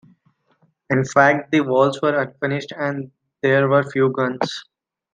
In fact, the walls were unfinished and there were few guns.